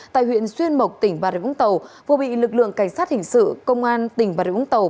hai nghìn hai mươi tại huyện xuyên mộc tỉnh bà rịa vũng tàu vừa bị lực lượng cảnh sát hình sự công an tỉnh bà rịa vũng tàu